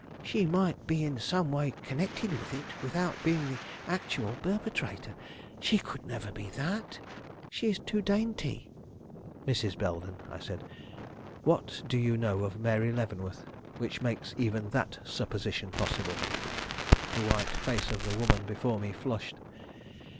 She might be in some way connected with it, without being the actual perpetrator. She could never be that; she is too dainty." "Mrs. Belden," I said, "what do you know of Mary Leavenworth which makes even that supposition possible?" The white face of the woman before me flushed.